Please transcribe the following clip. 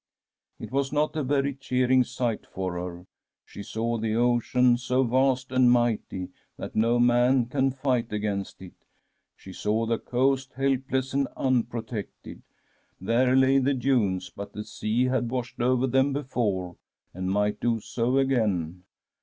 *" It was not a very cheering sight for her. She saw the ocean, so vast and mighty that no man can fight against it. She saw the coast, helpless and unprotected. There lay the dunes, but the sea had washed over them before, and might do' so again.